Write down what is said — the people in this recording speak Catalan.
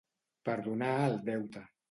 Perdonar el deute.